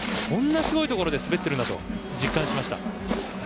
こんなすごいところで滑っているんだと実感しました。